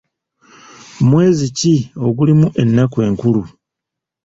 Mwezi ki ogulimu ennaku enkulu?